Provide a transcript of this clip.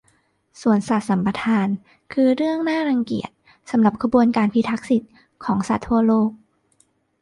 สวนสัตว์สัมปทานคือเรื่องน่ารังเกียจสำหรับขบวนการพิทักษ์สิทธิของสัตว์ทั่วโลก